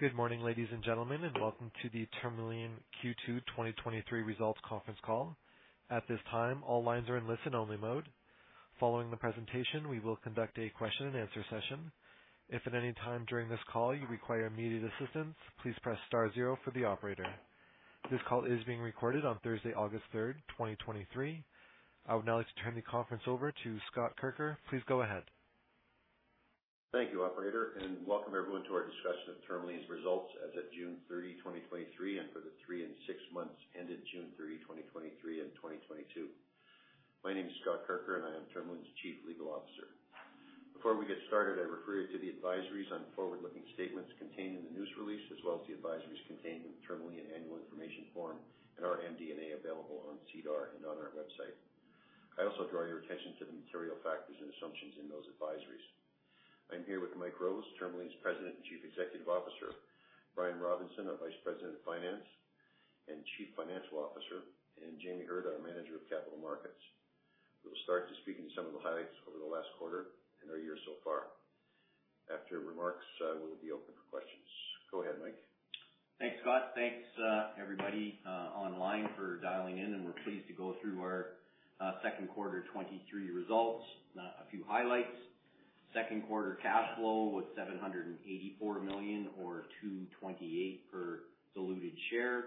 Good morning, ladies and gentlemen, and welcome to the Tourmaline Q2 2023 Results Conference Call. At this time, all lines are in listen-only mode. Following the presentation, we will conduct a question-and-answer session. If at any time during this call you require immediate assistance, please press * zero for the operator. This call is being recorded on Thursday, August third, 2023. I would now like to turn the conference over to Scott Kirker. Please go ahead. Thank you, operator, welcome everyone to our discussion of Tourmaline's results as of June 30, 2023, and for the three and six months ended June 3, 2023 and 2022. My name is Scott Kirker, I am Tourmaline's Chief Legal Officer. Before we get started, I refer you to the advisories on forward-looking statements contained in the news release, as well as the advisories contained in Tourmaline Annual Information Form in our MD&A available on SEDAR and on our website. I also draw your attention to the material factors and assumptions in those advisories. I'm here with Mike Rose, Tourmaline's President and Chief Executive Officer, Brian Robinson, our Vice President of Finance and Chief Financial Officer, Jamie Heard, our Manager of Capital Markets. We will start to speak into some of the highlights over the last quarter and our year so far. After remarks, we'll be open for questions. Go ahead, Mike. Thanks, Scott. Thanks, everybody online for dialing in, and we're pleased to go through our second quarter 2023 results. Now, a few highlights. Second quarter cash flow was $784 million or $2.28 per diluted share.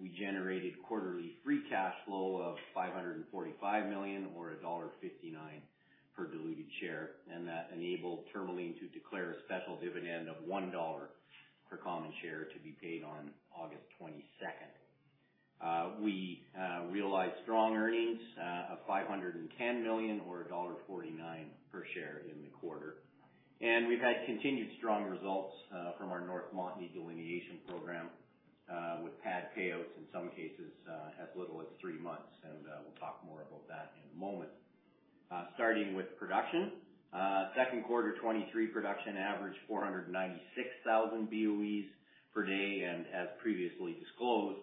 We generated quarterly free cash flow of $545 million, or $1.59 per diluted share, and that enabled Tourmaline to declare a special dividend of $1 per common share to be paid on August 22nd. We realized strong earnings of $510 million or $1.49 per share in the quarter. And we've had continued strong results from our North Montney delineation program, with pad payouts in some cases, as little as three months, and we'll talk more about that in a moment. Starting with production. Second quarter 2023 production averaged 496,000 BOEs per day, and as previously disclosed,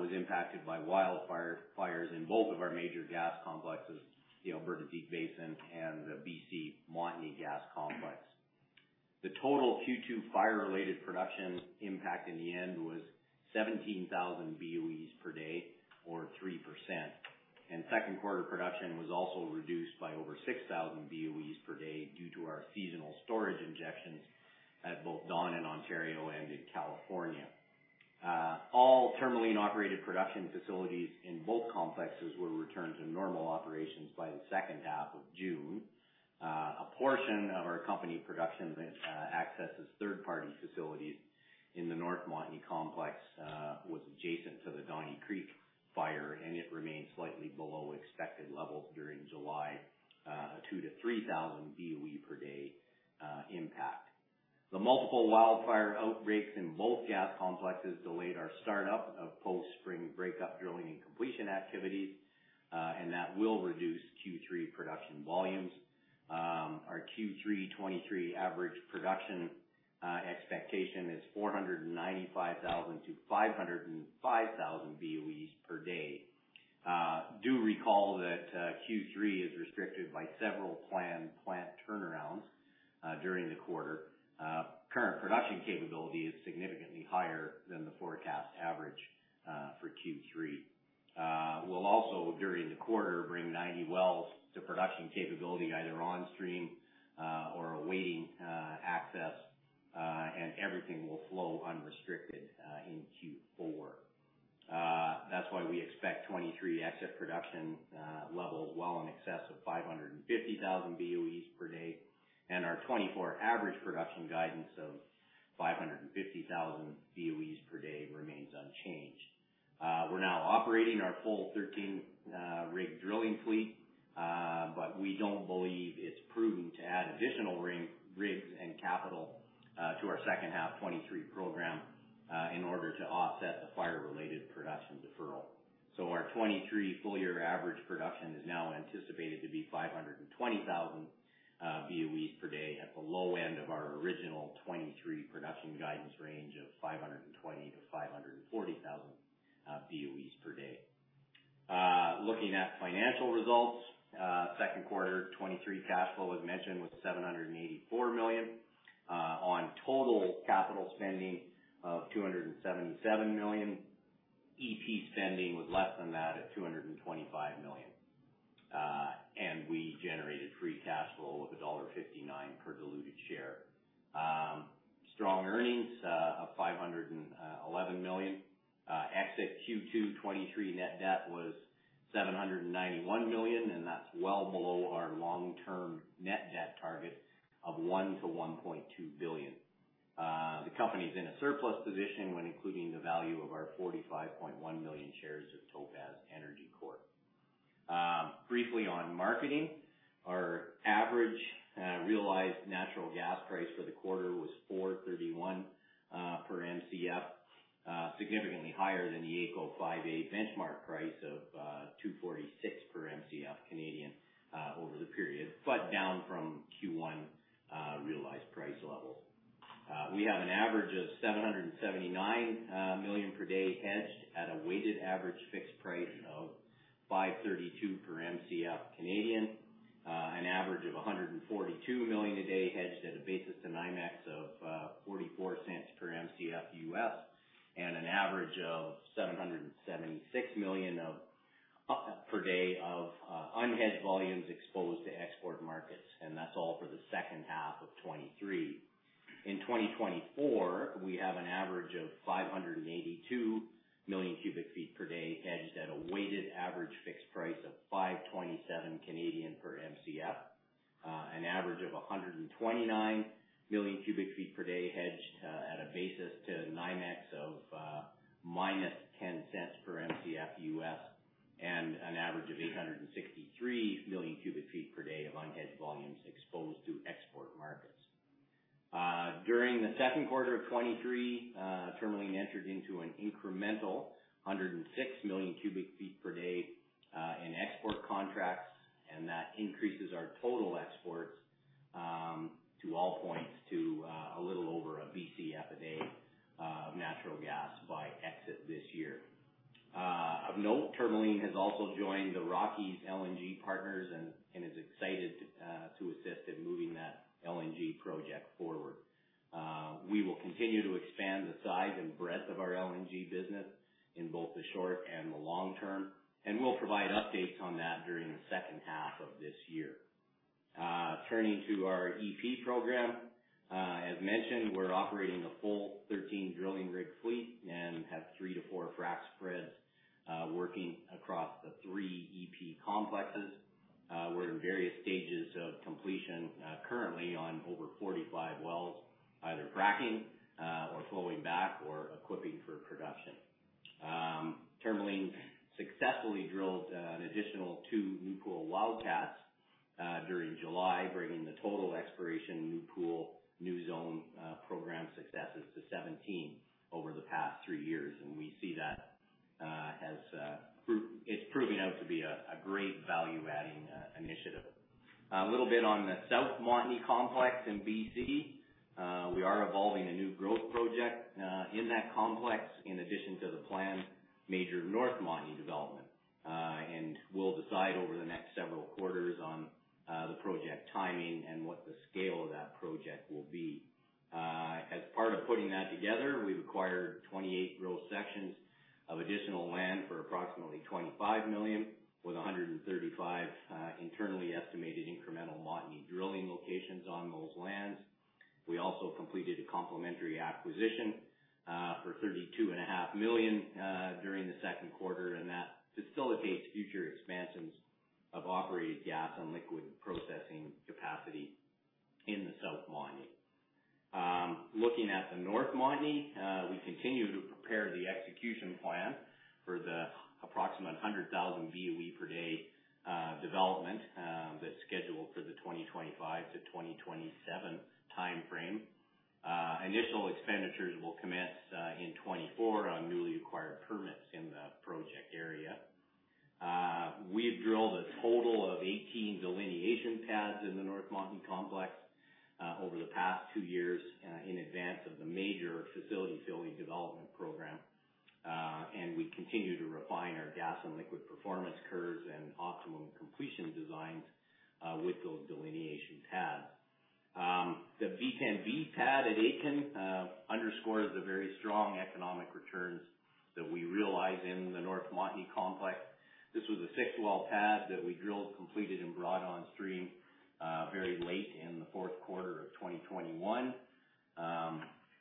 was impacted by wildfire fires in both of our major gas complexes, the Alberta Deep Basin and the BC Montney gas complex. The total Q2 fire-related production impact in the end was 17,000 BOEs per day, or 3%, and second quarter production was also reduced by over 6,000 BOEs per day due to our seasonal storage injections at both Dawn in Ontario and in California. All Tourmaline-operated production facilities in both complexes were returned to normal operations by the second half of June. A portion of our company production that accesses third-party facilities in the North Montney complex was adjacent to the Donnie Creek fire, and it remained slightly below expected levels during July, 2,000-3,000 BOE per day impact. The multiple wildfire outbreaks in both gas complexes delayed our startup of post-spring breakup drilling and completion activities, and that will reduce Q3 production volumes. Our Q3 2023 average production expectation is 495,000-505,000 BOEs per day. Do recall that Q3 is restricted by several planned plant turnarounds during the quarter. Current production capability is significantly higher than the forecast average for Q3. We'll also, during the quarter, bring 90 wells to production capability, either onstream or awaiting access, and everything will flow unrestricted in Q4. That's why we expect 2023 exit production levels well in excess of 550,000 BOEs per day, and our 2024 average production guidance of 550,000 BOEs per day remains unchanged. We're now operating our full 13 rig drilling fleet, but we don't believe it's prudent to add additional rigs and capital to our second half 2023 program in order to offset the fire-related production deferral. Our 2023 full year average production is now anticipated to be 520,000 BOEs per day at the low end of our original 2023 production guidance range of 520,000-540,000 BOEs per day. Looking at financial results, second quarter 2023 cash flow, as mentioned, was 784 million on total capital spending of 277 million. EP spending was less than that at 225 million. We generated free cash flow of dollar 1.59 per diluted share. Strong earnings of 511 million. Exit Q2 2023 net debt was 791 million. That's well below our long-term net debt target of 1 billion-1.2 billion. The company's in a surplus position when including the value of our 45.1 million shares of Topaz Energy Corp. Briefly, on marketing, our average realized natural gas price for the quarter was 4.31 per Mcf, significantly higher than the AECO 5A benchmark price of 2.46 per Mcf Canadian over the period. Down from Q1 realized price level. We have an average of 779 million per day hedged at a weighted average fixed price of 5.32 per Mcf Canadian. an average of 142 million a day hedged at a basis to NYMEX of $0.44 per Mcf U.S., and an average of 776 million per day of unhedged volumes exposed to export markets. That's all for the second half of 2023. In 2024, we have an average of 582 million cubic feet per day, hedged at a weighted average fixed price of 5.27 per Mcf. an average of 129 million cubic feet per day, hedged at a basis to NYMEX of -$0.10 per Mcf U.S., and an average of 863 million cubic feet per day of unhedged volumes exposed to export markets. During the second quarter of 2023, Tourmaline entered into an incremental 106 million cubic feet per day in export contracts, and that increases our total exports to all points to a little over 1 Bcf a day of natural gas by exit this year. Of note, Tourmaline has also joined the Rockies LNG Partners and is excited to assist in moving that LNG project forward. We will continue to expand the size and breadth of our LNG business in both the short and the long term, and we'll provide updates on that during the second half of this year. Turning to our EP program. As mentioned, we're operating a full 13 drilling rig fleet and have 3-4 frac spreads working across the three EP complexes. We're in various stages of completion, currently on over 45 wells, either fracking or flowing back or equipping for production. Tourmaline successfully drilled an additional 2 new pool wildcats during July, bringing the total exploration new pool, new zone program successes to 17 over the past 3 years. We see that as proof it's proving out to be a great value-adding initiative. A little bit on the South Montney complex in BC. We are evolving a new growth project in that complex, in addition to the planned major North Montney development. And we'll decide over the next several quarters on the project timing and what the scale of that project will be. As part of putting that together, we've acquired 28 gross sections of additional land for approximately 25 million, with 135 internally estimated incremental Montney drilling locations on those lands. We also completed a complementary acquisition for 32.5 million during the second quarter, and that facilitates future expansions of operated gas and liquid processing capacity in the South Montney. Looking at the North Montney, we continue to prepare the execution plan for the approximate 100,000 Boe per day development that's scheduled for the 2025-2027 timeframe. Initial expenditures will commence in 2024 on newly acquired permits in the project area. We've drilled a total of 18 delineation pads in the North Montney Complex over the past two years in advance of the major facility building development program. And we continue to refine our gas and liquid performance curves and optimum completion designs with those delineation pads. The b-10-B pad at Aitken underscores the very strong economic returns that we realize in the North Montney Complex. This was a six-well pad that we drilled, completed, and brought on stream very late in the fourth quarter of 2021.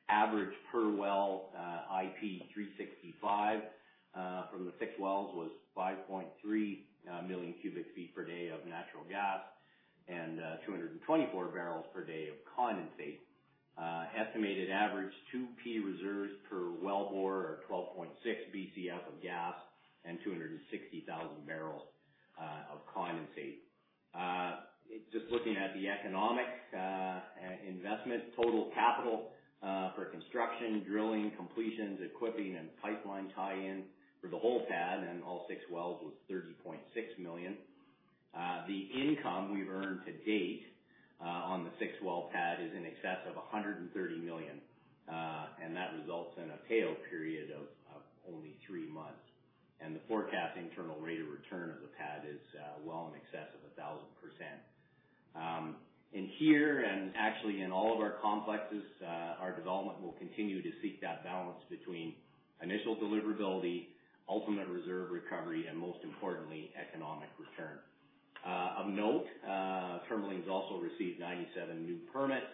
Average per well, IP365 from the six wells was 5.3 million cubic feet per day of natural gas and 224 barrels per day of condensate. Estimated average 2P reserves per wellbore are 12.6 Bcf of gas and 260,000 barrels of condensate. Just looking at the economic investment, total capital for construction, drilling, completions, equipping, and pipeline tie-in for the whole pad and all 6 wells was 30.6 million. The income we've earned to date on the 6-well pad is in excess of 130 million. That results in a pay-out period of only 3 months. And the forecast internal rate of return of the pad is well in excess of 1,000%. In here, and actually in all of our complexes, our development will continue to seek that balance between initial deliverability, ultimate reserve recovery, and most importantly, economic return. Of note, Tourmaline has also received 97 new permits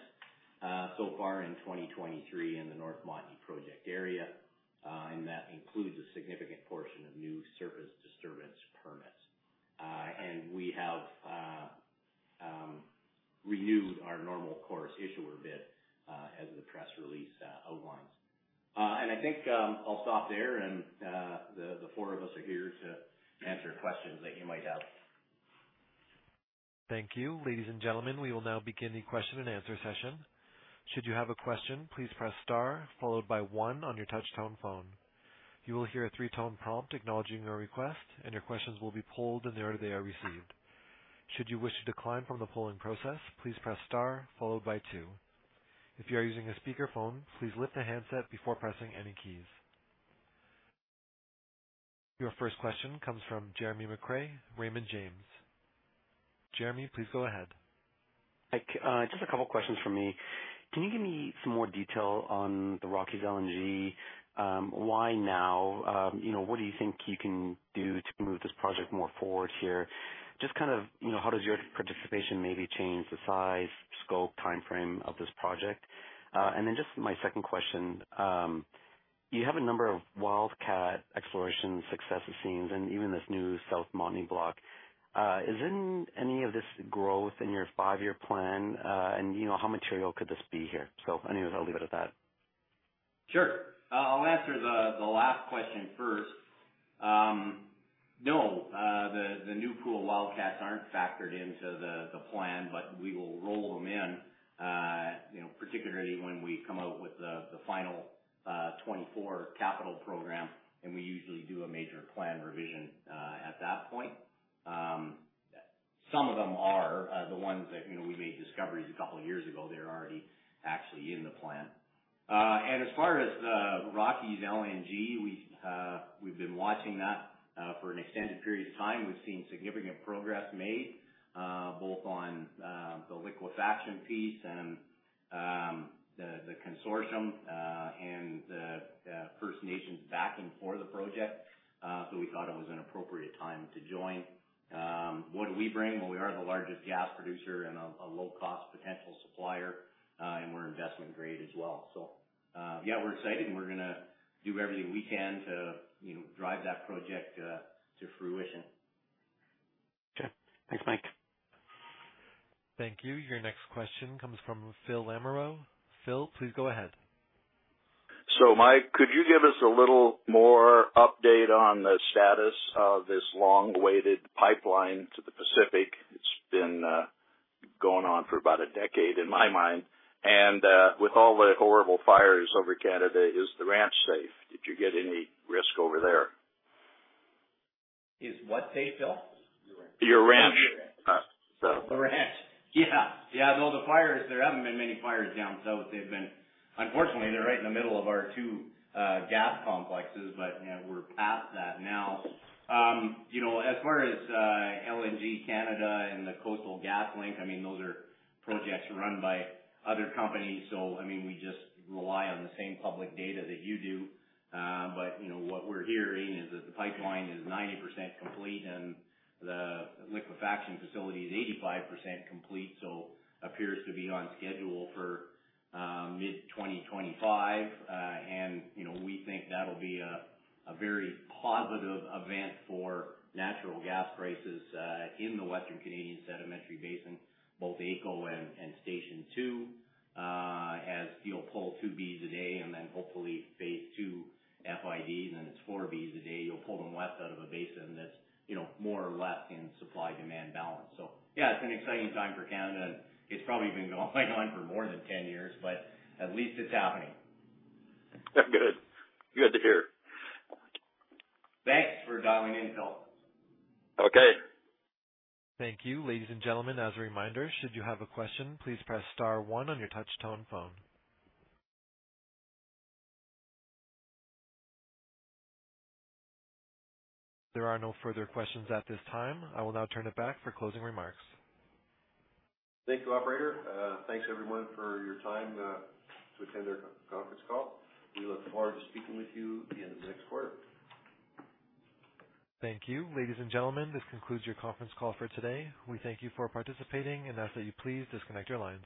so far in 2023 in the North Montney project area. That includes a significant portion of new surface disturbance permits. We have renewed our normal course issuer bid, as the press release outlines. I think I'll stop there, and the four of us are here to answer questions that you might have. Thank you. Ladies and gentlemen, we will now begin the question and answer session. Should you have a question, please press *, followed by one on your touchtone phone. You will hear a three-tone prompt acknowledging your request, and your questions will be polled in the order they are received. Should you wish to decline from the polling process, please press * followed by two. If you are using a speakerphone, please lift the handset before pressing any keys.... Your first question comes from Jeremy McCrea, Raymond James. Jeremy, please go ahead. Hi, just a couple questions from me. Can you give me some more detail on the Rockies LNG? Why now? You know, what do you think you can do to move this project more forward here? Just kind of, you know, how does your participation maybe change the size, scope, timeframe of this project? Just my second question. You have a number of wildcat exploration success scenes and even this new South Montney block. Is in any of this growth in your five-year plan? You know, how material could this be here? Anyways, I'll leave it at that. Sure. I'll answer the last question first. No, the new pool wildcats aren't factored into the plan, but we will roll them in, you know, particularly when we come out with the final 2024 capital program, and we usually do a major plan revision at that point. Some of them are the ones that, you know, we made discoveries a couple years ago. They're already actually in the plan. As far as the Rockies LNG, we've been watching that for an extended period of time. We've seen significant progress made both on the liquefaction piece and the consortium and the First Nations backing for the project. We thought it was an appropriate time to join. What do we bring? Well, we are the largest gas producer and a, a low-cost potential supplier. We're investment-grade as well. Yeah, we're excited, and we're going to do everything we can to, you know, drive that project to fruition. Okay. Thanks, Mike. Thank you. Your next question comes from Phil Lamoreux. Phil, please go ahead. Mike, could you give us a little more update on the status of this long-awaited pipeline to the Pacific? It's been going on for about a decade in my mind. With all the horrible fires over Canada, is the ranch safe? Did you get any risk over there? Is what safe, Phil? Your ranch. The ranch? Yeah, yeah. No, the fires, there haven't been many fires down south. They've been unfortunately, they're right in the middle of our 2 gas complexes, but, you know, we're past that now. You know, as far as LNG Canada and the Coastal GasLink, I mean, those are projects run by other companies. I mean, we just rely on the same public data that you do. You know, what we're hearing is that the pipeline is 90% complete, and the liquefaction facility is 85% complete, appears to be on schedule for mid-2025. You know, we think that'll be a very positive event for natural gas prices in the Western Canadian Sedimentary Basin, both AECO and Station 2. As you'll pull 2 Bcf a day and then hopefully phase 2 FIDs, and it's 4 Bcf a day, you'll pull them west out of a basin that's, you know, more or less in supply-demand balance. Yeah, it's an exciting time for Canada, and it's probably been going on for more than 10 years, but at least it's happening. Good. Good to hear. Thanks for dialing in, Phil. Okay. Thank you. Ladies and gentlemen, as a reminder, should you have a question, please press * one on your touch tone phone. There are no further questions at this time. I will now turn it back for closing remarks. Thank you, operator. Thanks, everyone, for your time to attend our conference call. We look forward to speaking with you in the next quarter. Thank you. Ladies and gentlemen, this concludes your conference call for today. We thank you for participating and ask that you please disconnect your lines.